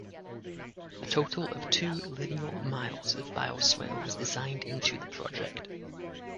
A total of two lineal miles of bioswale was designed into the project.